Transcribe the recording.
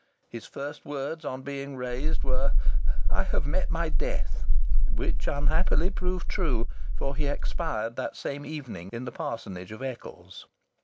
His first words, on being raised, were, "I have met my death," which unhappily proved true, for he expired that same evening in the parsonage of Eccles.